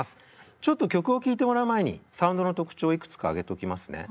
ちょっと曲を聴いてもらう前にサウンドの特徴をいくつか挙げときますね。